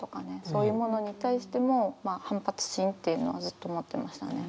そういうものに対しても反発心っていうのはずっと持ってましたね。